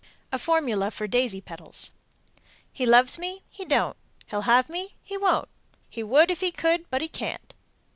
_ 216. A formula for daisy petals: He loves me, He don't; He'll have me, He won't; He would if he could, But he can't.